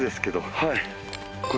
はい。